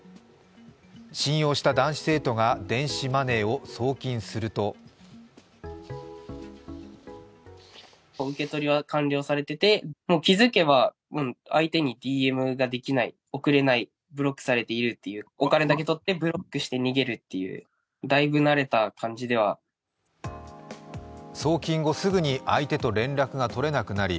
信用した男子生徒が電子マネーを送金すると送金後、すぐに相手と連絡が取れなくなり